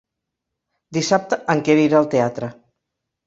Dissabte en Quer irà al teatre.